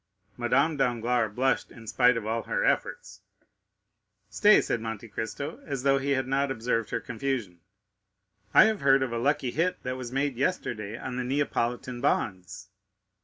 Madame Danglars blushed, in spite of all her efforts. "Stay," said Monte Cristo, as though he had not observed her confusion, "I have heard of a lucky hit that was made yesterday on the Neapolitan bonds."